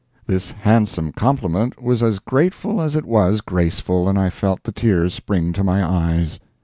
This handsome compliment was as grateful as it was graceful, and I felt the tears spring to my eyes.